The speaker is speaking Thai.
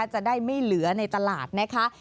จะได้ไม่เหลือในตลาดนะคะ